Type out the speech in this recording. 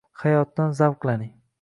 Hayotdan zavqlaning